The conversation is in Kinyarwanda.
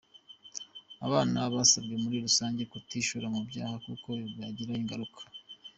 Abana basabwe muri rusange kutishora mu byaha kuko bibagiraho ingaruka.